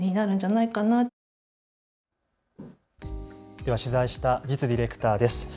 では取材した實ディレクターです。